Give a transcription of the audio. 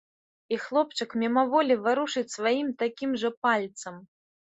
І хлопчык мімаволі варушыць сваім такім жа пальцам.